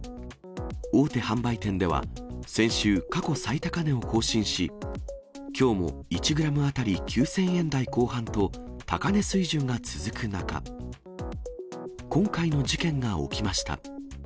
大手販売店では、先週、過去最高値を更新し、きょうも１グラム当たり９０００円台後半と、高値水準が続く中、今回の事件が起きました。